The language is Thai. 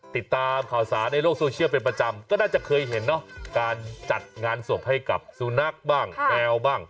ติดตามข่าวสารในโลกโซเชียลเป็นประจำก็น่าจะเคยเห็นเนอะการจัดงานศพให้กับสุนัขบ้างแมวบ้าง